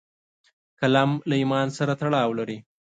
قلم له ایمان سره تړاو لري